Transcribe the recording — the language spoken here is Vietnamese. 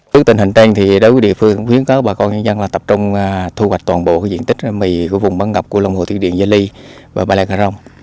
tức tình hình tên thì đối với địa phương khuyến khắc bà con nhân dân là tập trung thu hoạch toàn bộ diện tích mì của vùng bán ngập của lòng hồ thiên điện gia ly và bà lạc hà rồng